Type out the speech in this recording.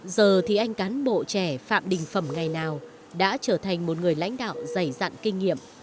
giờ thì anh cán bộ trẻ phạm đình phẩm ngày nào đã trở thành một người lãnh đạo dày dặn kinh nghiệm